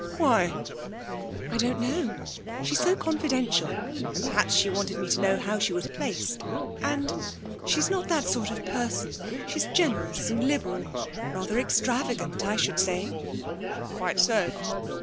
'Why?' 'I don't know. She's so confidential, and perhaps she wanted me to know how she was placed. And she's not that sort of person she's generous and liberal, rather extravagant I should say.' 'Quite so.